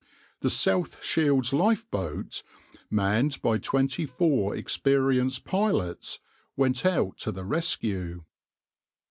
The South Shields lifeboat, manned by twenty four experienced pilots, went out to the rescue.